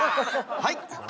はい！